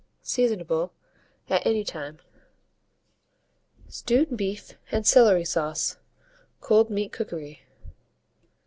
Seasonable at any time. STEWED BEEF AND CELERY SAUCE (Cold Meat Cookery).